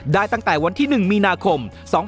ตั้งแต่วันที่๑มีนาคม๒๕๖๒